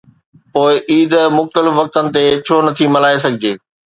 پوءِ عيد مختلف وقتن تي ڇو نٿي ملهائي سگهجي؟